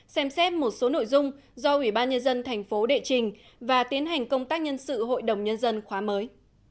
xem xét một số nội dung do ủy ban nhân dân thành phố đệ trình và tiến hành công tác nhân sự hội đồng nhân dân khóa mới